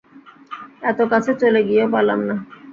এত কাছে চলে গিয়েও পারলাম না।